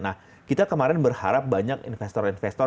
nah kita kemarin berharap banyak investor investor